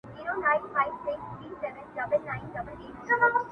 د یار پ لاس کي مي ډک جام دی په څښلو ارزی.